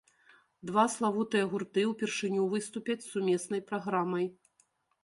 Два славутыя гурты ўпершыню выступяць з сумеснай праграмай.